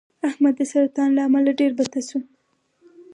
احمد د سرطان له امله ډېر بته شو.